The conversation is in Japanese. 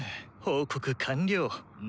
報告完了。